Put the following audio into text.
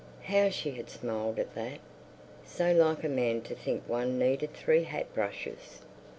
How she had smiled at that! So like a man to think one needed three hat brushes!